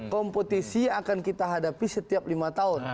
kompetisi akan kita hadapi setiap lima tahun